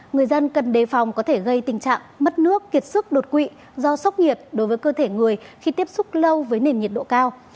người dân cần đề phòng có thể gây tình trạng mất nước kiệt sức đột quỵ do sốc nhiệt đối với cơ thể người khi tiếp xúc lâu với nền nhiệt độ cao